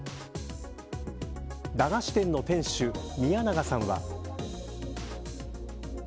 駄菓子店の店主、宮永さんは。